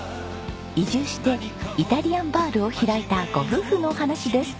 移住してイタリアンバールを開いたご夫婦のお話です。